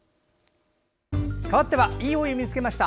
かわっては「＃いいお湯見つけました」